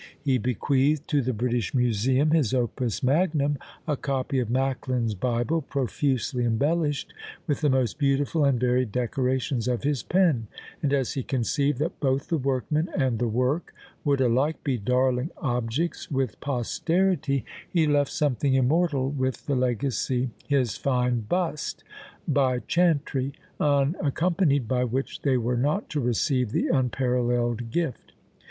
He bequeathed to the British Museum his opus magnum a copy of Macklin's Bible, profusely embellished with the most beautiful and varied decorations of his pen; and as he conceived that both the workman and the work would alike be darling objects with posterity, he left something immortal with the legacy, his fine bust, by Chantrey, unaccompanied by which they were not to receive the unparalleled gift!